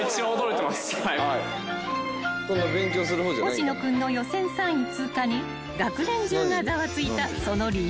［星野君の予選３位通過に学年中がざわついたその理由は］